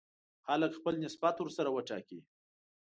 خلک خپل نسبت ورسره وټاکي.